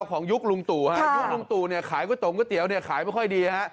ยุคลุงตู่ฮะยุคลุงตู่เนี่ยขายก๋วตงก๋วเตี๋ยเนี่ยขายไม่ค่อยดีฮะ